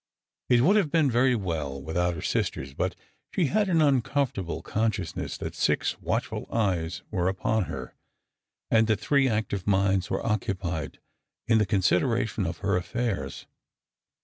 It would have been very well without her sisters; but she had an uncomfortable consciousness that six watchful eyes were upon her, and that three active minds were occui)ied in the consideration of her affairs.